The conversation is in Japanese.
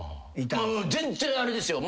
全然あれですよ。